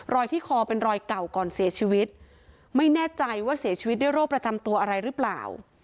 ที่คอเป็นรอยเก่าก่อนเสียชีวิตไม่แน่ใจว่าเสียชีวิตด้วยโรคประจำตัวอะไรหรือเปล่า